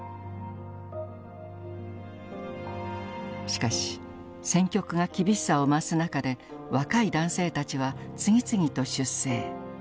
しかし戦局が厳しさを増す中で若い男性たちは次々と出征。